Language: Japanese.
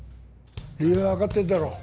理由はわかってるだろう。